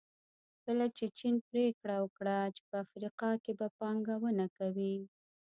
کله چې چین پریکړه وکړه چې په افریقا کې به پانګونه کوي.